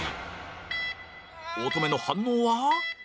乙女の反応は？